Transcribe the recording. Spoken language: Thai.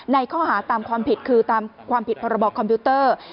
ในข้อหาตามความผิดคือตามความผิดพรบคอมพิวเตอร์